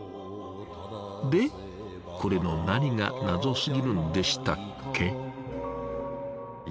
でこれの何がナゾすぎるんでしたっけ？